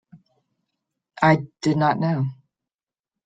I did not know.